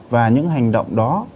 và những hành động đó